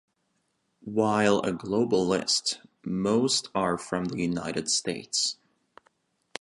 While a global list, most are from the United States.